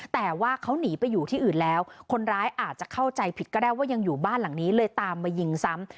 แต่ว่าเขาหนีไปอยู่ที่อื่นแล้วคนร้ายอาจจะเข้าใจผิดก็ได้ว่ายังอยู่บ้านหลังนี้เลยตามมายิงซ้ำ